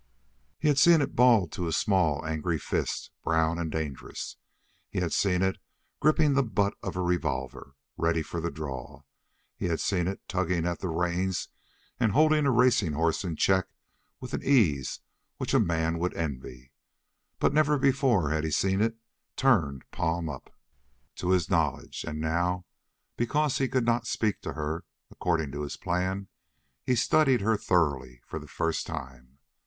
He had seen it balled to a small, angry fist, brown and dangerous; he had seen it gripping the butt of a revolver, ready for the draw; he had seen it tugging at the reins and holding a racing horse in check with an ease which a man would envy; but never before had he seen it turned palm up, to his knowledge; and now, because he could not speak to her, according to his plan, he studied her thoroughly for the first time.